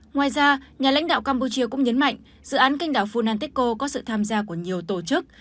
ngoài ra nhà lãnh đạo campuchia cũng nhấn mạnh dự án canh đảo funanteko có sự tham gia của nhiều tổ chức